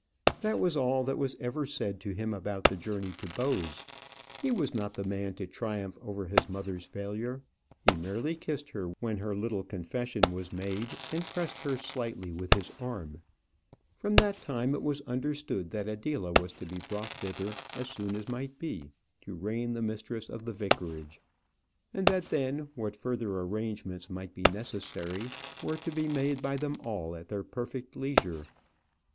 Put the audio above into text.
That was all that was ever said to him about the journey to Bowes. He was not the man to triumph over his mother's failure. He merely kissed her when her little confession was made, and pressed her slightly with his arm. From that time it was understood that Adela was to be brought thither, as soon as might be, to reign the mistress of the vicarage; and that then, what further arrangements might be necessary, were to be made by them all at their perfect leisure.